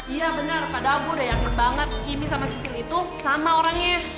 iya bener padahal gue udah yakin banget kimi sama sisil itu sama orangnya